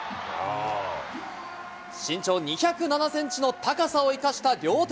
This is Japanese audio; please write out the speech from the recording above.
身長２０７センチの高さを生かした両手